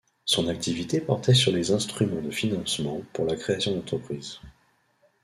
Son activité portait sur les instruments de financement pour la création d’entreprises.